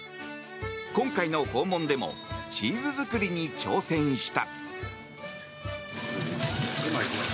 今回の訪問でもチーズ作りに挑戦した。